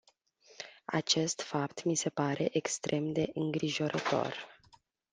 Acest fapt mi se pare extrem de îngrijorător.